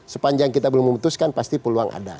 sepanjang kita belum memutuskan pasti peluang ada